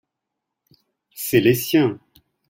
c'est les siens.